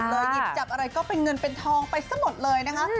หยิบจับอะไรก็เป็นเงินเป็นทองไปซะหมดเลยนะคะ